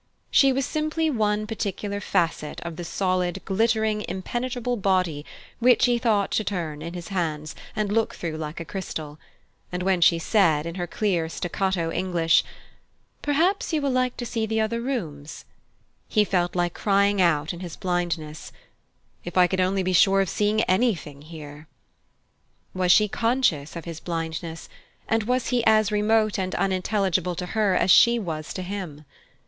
She was simply one particular facet of the solid, glittering impenetrable body which he had thought to turn in his hands and look through like a crystal; and when she said, in her clear staccato English, "Perhaps you will like to see the other rooms," he felt like crying out in his blindness: "If I could only be sure of seeing anything here!" Was she conscious of his blindness, and was he as remote and unintelligible to her as she was to him?